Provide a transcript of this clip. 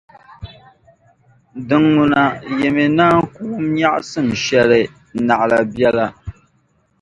din ŋuna yi mi naan ku wum nyεɣisim shεli naɣila biɛla.